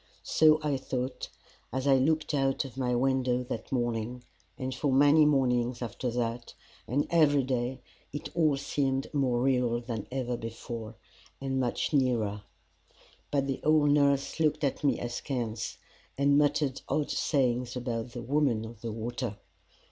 So I thought, as I looked out of my window that morning and for many mornings after that, and every day it all seemed more real than ever before, and much nearer. But the old nurse looked at me askance, and muttered odd sayings about the Woman of the Water.